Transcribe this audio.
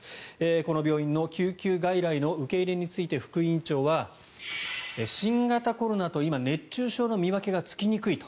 この病院の救急外来の受け入れについて副院長は新型コロナと今熱中症の見分けがつきにくいと。